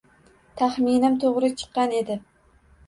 Tahminim to’g’ri chiqqan edi.